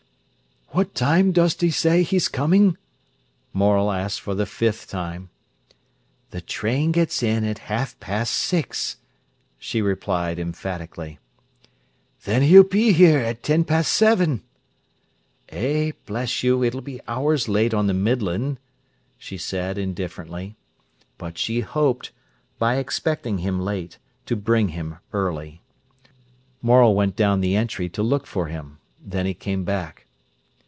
"What time dost say he's coming?" Morel asked for the fifth time. "The train gets in at half past six," she replied emphatically. "Then he'll be here at ten past seven." "Eh, bless you, it'll be hours late on the Midland," she said indifferently. But she hoped, by expecting him late, to bring him early. Morel went down the entry to look for him. Then he came back.